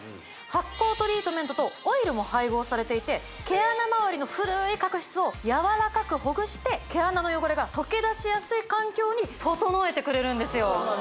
発酵トリートメントとオイルも配合されていて毛穴周りの古い角質をやわらかくほぐして毛穴の汚れが溶けだしやすい環境に整えてくれるんですよ